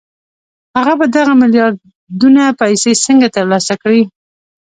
هغه به دغه ميلياردونه پيسې څنګه ترلاسه کړي؟